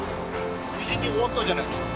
無事に終わったじゃないですか。